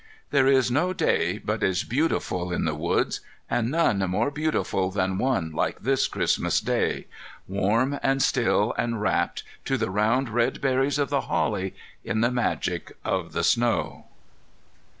There is no day but is beautiful in the woods; and none more beautiful than one like this Christmas Day,—warm and still and wrapped, to the round red berries of the holly, in the magic of the snow.